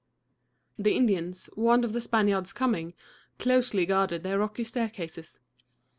The Indians, warned of the Spaniards' coming, closely guarded their rocky staircases.